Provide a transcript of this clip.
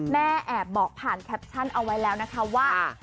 แม่แอบบอกผ่านแคปชั่นเอาไว้แล้วนะคะว่า